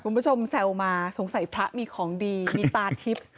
คุณผู้ชมแซวมาสงสัยพระมีของดีมีตาทิพย์